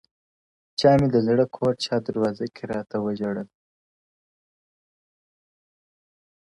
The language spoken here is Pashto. چا مي د زړه كور چـا دروازه كي راتـه وژړل.